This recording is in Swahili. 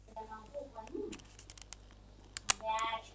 Huu ni mmoja ya milima ambayo taarifa zake hazipatikani kirahisi mtandaoni